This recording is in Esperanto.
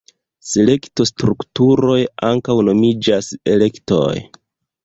Selekto-strukturoj ankaŭ nomiĝas elektoj.